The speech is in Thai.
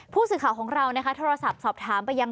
ผู้สื่อข่าวของเรานะคะโทรศัพท์สอบถามไปยัง